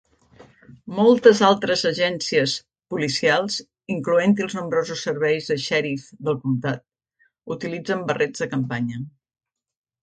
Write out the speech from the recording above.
Moltes altres agències policials, incloent-hi els nombrosos serveis de sheriffs del comtat, utilitzen barrets de campanya.